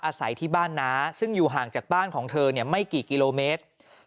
อาศัยที่บ้านน้าซึ่งอยู่ห่างจากบ้านของเธอไม่กี่กิโลเมตร